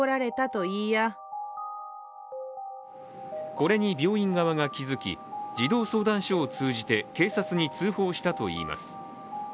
これに病院側が気づき、児童相談所を通じて警察に通報したといいます。